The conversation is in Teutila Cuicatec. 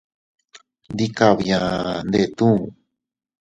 Ndi kabia ndetuu.